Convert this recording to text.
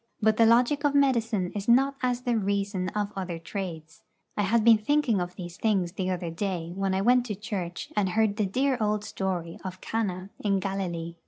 But the logic of medicine is not as the reason of other trades. I had been thinking of these things the other day when I went to church and heard the dear old story of Cana in Galilee.